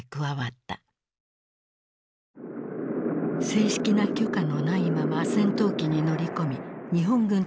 正式な許可のないまま戦闘機に乗り込み日本軍と交戦。